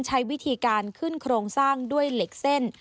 ใช้วิธีการขึ้นโครงสร้างด้วยเหล็กเส้น